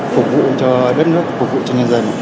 phục vụ cho đất nước phục vụ cho nhân dân